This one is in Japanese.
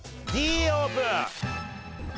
Ｄオープン！